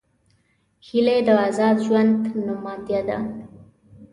هیلۍ د آزاد ژوند نمادیه ده